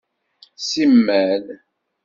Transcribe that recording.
Simmal.